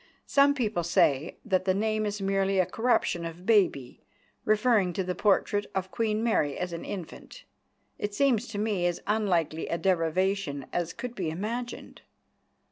Some people say that the name is merely a corruption of "baby," referring to the portrait of Queen Mary as an infant. It seems to me as unlikely a derivation as could be imagined.